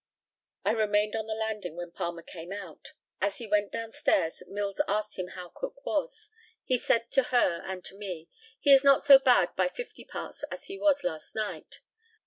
I remained on the landing when Palmer came out. As he went down stairs, Mills asked him how Cook was? He said to her and to me, "He is not so bad by fifty parts as he was last night."